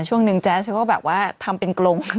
ช่วงนึงแจ๊สเขาก็แบบว่าทำเป็นกรง